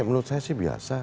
menurut saya sih biasa